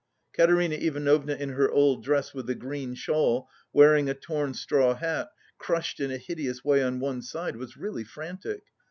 Katerina Ivanovna in her old dress with the green shawl, wearing a torn straw hat, crushed in a hideous way on one side, was really frantic.